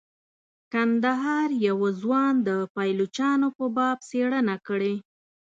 کندهار یوه ځوان د پایلوچانو په باب څیړنه کړې.